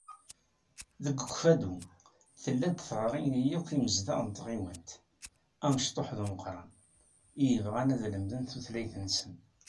Deg Ukeffadu, tella-d tiɣri i yakk imezdaɣ n tɣiwant, amecṭuḥ d umeqqran, i yebɣan ad lemden tutlayt-nsen.